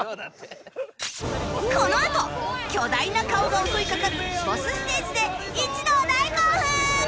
このあと巨大な顔が襲いかかるボスステージで一同大興奮！